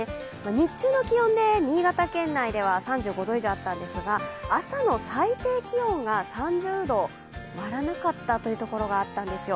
日中の気温で新潟県内では３５度以上あったんですが朝の最低気温が３０度割らなかったところがあったんですよ。